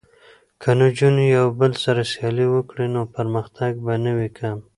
که نجونې یو بل سره سیالي وکړي نو پرمختګ به نه وي کم.